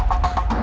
aku kasih tau